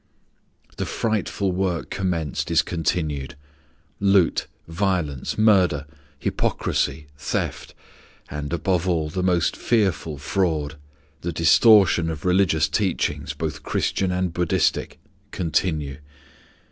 The frightful work commenced is continued. Loot, violence, murder, hypocrisy, theft, and, above all, the most fearful fraud the distortion of religious teachings, both Christian and Buddhistic continue.